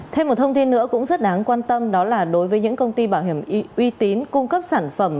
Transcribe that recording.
thêm một thông tin nữa cũng rất đáng quan tâm đó là đối với những công ty bảo hiểm y tế cung cấp sản phẩm